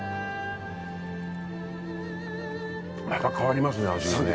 また変わりますね味がね。